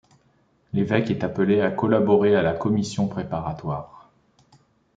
L'évêque est appelé à collaborer à la commission préparatoire.